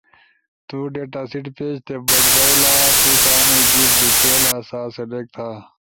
تو ڈیٹاسیٹ پیج تے بج بھئی لا، تو کامیک جیِب بیچیلا سا سلیکٹ تھی،